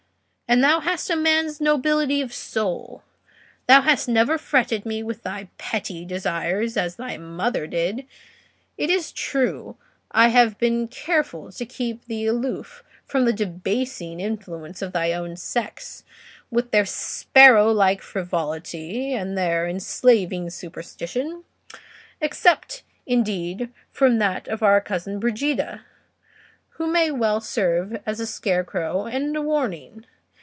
And thou hast a man's nobility of soul: thou hast never fretted me with thy petty desires as thy mother did. It is true, I have been careful to keep thee aloof from the debasing influence of thy own sex, with their sparrow like frivolity and their enslaving superstition, except, indeed, from that of our cousin Brigida, who may well serve as a scarecrow and a warning.